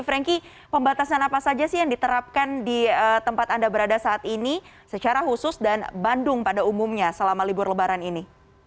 franky pembatasan apa saja sih yang diterapkan di tempat anda berada saat ini secara khusus dan bandung pada umumnya selama libur lebaran ini